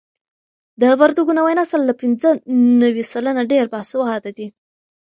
د وردګو نوی نسل له پنځه نوي سلنه ډېر باسواده دي.